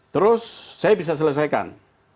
terus saya bisa selesaikan